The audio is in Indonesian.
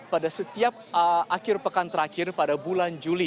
pada setiap akhir pekan terakhir pada bulan juli